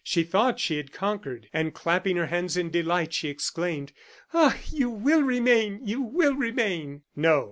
She thought she had conquered, and clapping her hands in delight, she exclaimed: "Ah! you will remain! you will remain!" No.